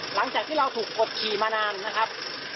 หลังจากที่เราถูกกดขี่มานานนะครับ